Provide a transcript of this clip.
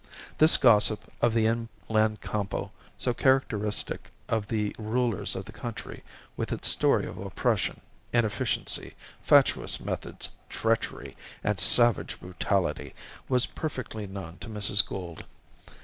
This gossip of the inland Campo, so characteristic of the rulers of the country with its story of oppression, inefficiency, fatuous methods, treachery, and savage brutality, was perfectly known to Mrs. Gould.